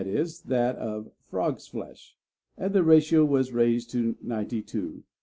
e., that of frogs' flesh), and the ratio was raised to 92 to 8.